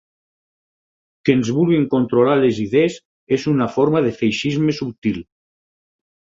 Que ens vulguen controlar les idees és una forma de feixisme subtil.